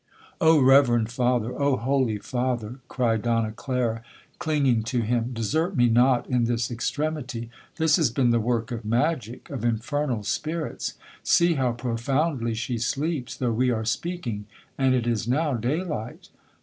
'—'Oh reverend Father!—Oh holy Father!' cried Donna Clara clinging to him, 'desert me not in this extremity—this has been the work of magic—of infernal spirits. See how profoundly she sleeps, though we are speaking, and it is now day light.'